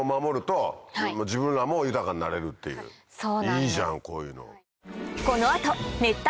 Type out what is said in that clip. いいじゃんこういうの。